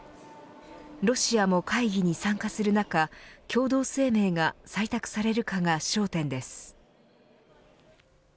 ロシアも会議に参加する中共同声明が採択されるかが焦点です。